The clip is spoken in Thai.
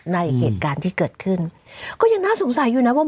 เหตุการณ์ที่เกิดขึ้นก็ยังน่าสงสัยอยู่นะว่า